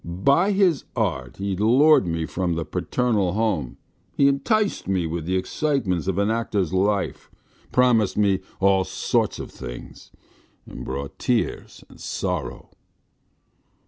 By his art he lured me from the parental home, he enticed me with the excitements of an actor's life, promised me all sorts of things and brought tears and sorrow.